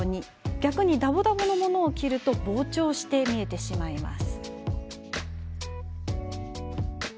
逆に、だぼだぼのものを着ると膨張して見えてしまいます。